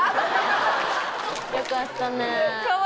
よかったね。